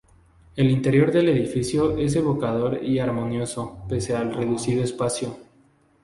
El interior del edificio es evocador y armonioso pese al reducido espacio.